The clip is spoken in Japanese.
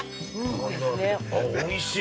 ◆おいしい。